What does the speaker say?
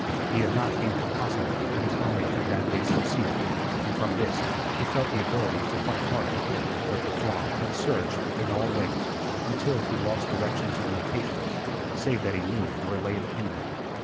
He had not deemed it possible that his army could that day succeed, and from this he felt the ability to fight harder. But the throng had surged in all ways, until he lost directions and locations, save that he knew where lay the enemy.